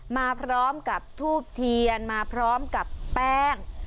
มาพร้อมกับทูบเทียนมาพร้อมกับแป้ง